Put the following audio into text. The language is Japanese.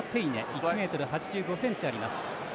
１ｍ８５ｃｍあります。